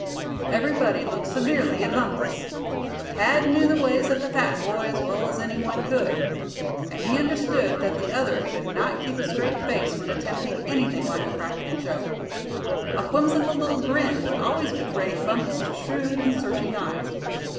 Everybody looked severely at Bumpus. Thad knew the ways of the fat boy as well as any one could. And he understood that the other could not keep a straight face when attempting anything like a practical joke. A whimsical little grin would always betray Bumpus to shrewd and searching eyes.